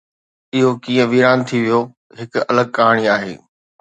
اهو ڪيئن ويران ٿي ويو، هڪ الڳ ڪهاڻي آهي.